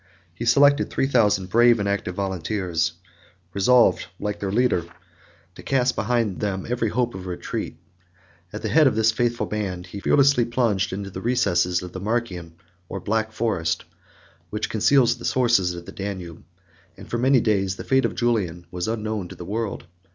He selected three thousand brave and active volunteers, resolved, like their leader, to cast behind them every hope of a retreat; at the head of this faithful band, he fearlessly plunged into the recesses of the Marcian, or Black Forest, which conceals the sources of the Danube; 29 and, for many days, the fate of Julian was unknown to the world.